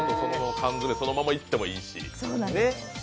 缶詰そのままいってもいいし、ね。